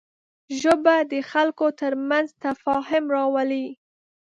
ژبه د خلکو تر منځ تفاهم راولي